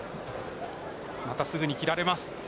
すぐに切られます。